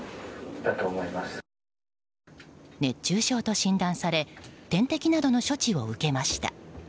熱中症と診断され点滴などの処置を受けました。